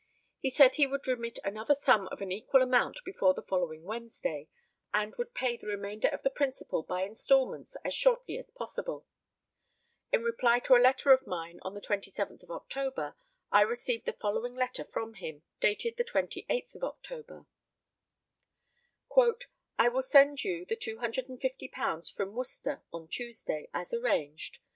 He said he would remit another sum of an equal amount before the following Wednesday, and would pay the remainder of the principal by instalments as shortly as possible. In reply to a letter of mine of the 27th of October, I received the following letter from him, dated the 28th of October: "I will send you the £250 from Worcester on Tuesday, as arranged.